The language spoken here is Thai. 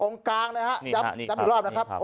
องค์กลางนะฮะนี่ฮะนี่ครับจำอีกรอบนะครับครับ